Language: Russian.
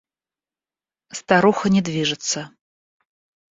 Старуха не движется.